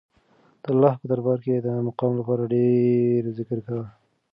د الله په دربار کې د مقام لپاره ډېر ذکر کوه.